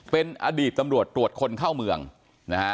เป็นอดีตตำรวจตรวจคนเข้าเมืองนะฮะ